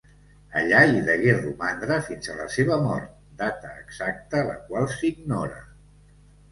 Allà hi degué romandre fins a la seva mort, data exacta la qual s'ignora.